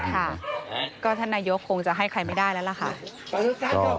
ค่ะก็ท่านนายกคงจะให้ใครไม่ได้แล้วล่ะค่ะ